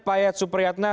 pak yad supriyatna